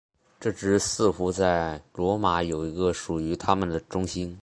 这支似乎在罗马有一个属于他们的中心。